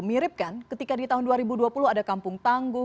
mirip kan ketika di tahun dua ribu dua puluh ada kampung tangguh